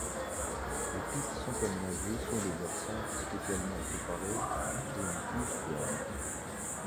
Les pistes sont aménagées sur des versants spécialement préparés sur une couche d’herbe.